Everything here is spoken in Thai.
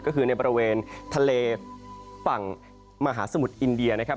ก็คือในบริเวณทะเลฝั่งมหาสมุทรอินเดียนะครับ